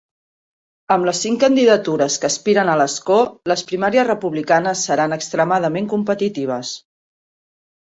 Amb les cinc candidatures que aspiren a l'escó, les primàries republicanes seran extremadament competitives.